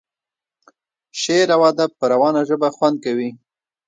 شعر او ادب په روانه ژبه خوند کوي.